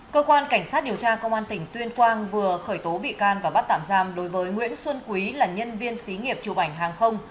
cơ quan cảnh sát điều tra công an tỉnh tuyên quang vừa khởi tố bị can và bắt tạm giam đối với nguyễn xuân quý là nhân viên xí nghiệp chụp ảnh hàng không